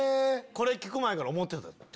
これ聞く前から思ってたってこと？